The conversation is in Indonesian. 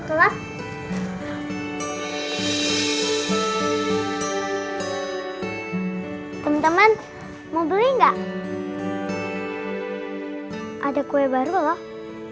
setelah teman teman mau beli enggak ada kue baru loh